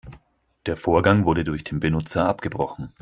Der Vorgang wurde durch den Benutzer abgebrochen.